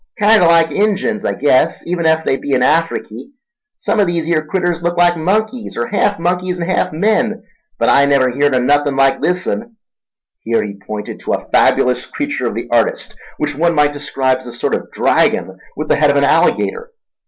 Kinder like Injuns, I guess, even ef they be in Afriky. Some o' these here critters looks like monkeys, or half monkeys an' half men, but I never heerd o' nothing like this un." Here he pointed to a fabulous creature of the artist, which one might describe as a sort of dragon with the head of an alligator.